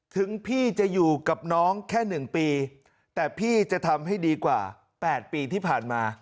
ถึงพี่จะอยู่กับน้องแค่๑ปีแต่พี่จะทำให้ดีกว่า๘ปีที่ผ่านมา